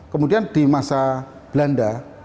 kemudian di masa belanda